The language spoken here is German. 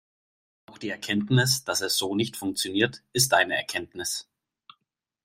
Auch die Erkenntnis, dass es so nicht funktioniert, ist eine Erkenntnis.